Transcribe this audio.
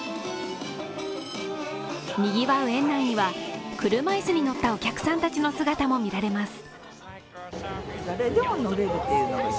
にぎわう園内には車いすに乗ったお客さんたちの姿も見られます。